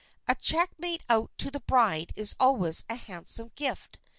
A check made out to the bride is always a handsome gift.